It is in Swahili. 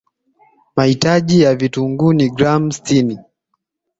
mahitaji ya vitunguu ni gram sitini